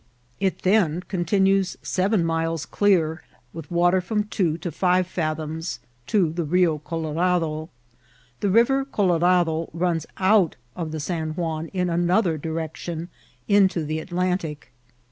It then continues seven miles dear, with water from two to five fathoms, to the Rio Colorado. The River Colorado runs out of the San Juan in another direction into the Atlantic.